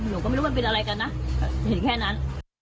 หนูก็ไม่รู้มันเป็นอะไรกันนะเห็นแค่นั้น